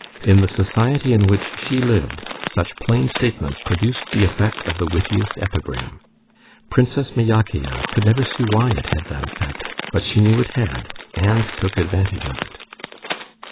In the society in which she lived such plain statements produced the effect of the wittiest epigram. Princess Myakaya could never see why it had that effect, but she knew it had, and took advantage of it.